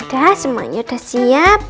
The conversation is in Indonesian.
udah semuanya udah siap